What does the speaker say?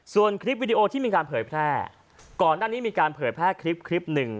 ส่วนคลิปวิดีโอที่มีการเผยแพร่ก่อนหน้านี้มีการเผยแพร่คลิปคลิปหนึ่ง